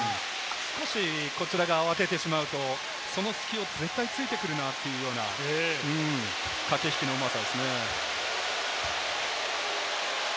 少しこちらが慌ててしまうと、その隙を絶対ついてくるなというような駆け引きのうまさですね。